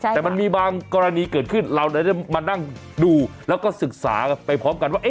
แต่มันมีบางกรณีเกิดขึ้นเราได้มานั่งดูแล้วก็ศึกษากันไปพร้อมกันว่า